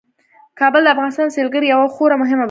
کابل د افغانستان د سیلګرۍ یوه خورا مهمه برخه ده.